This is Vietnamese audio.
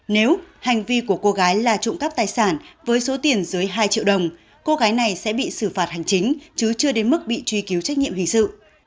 nếu hành vi của cô gái là trộm cắp tài sản với số tiền dưới hai triệu đồng cô gái này sẽ bị xử phạt hành chính chứ chưa đến mức bị truy cứu trách nhiệm hình sự